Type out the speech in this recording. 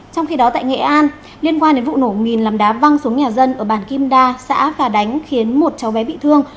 trong khi đó tại nghệ an liên quan đến vụ nổ mìn làm đá văng xuống nhà dân ở bản kim đa xã phà đánh khiến một cháu bé bị thương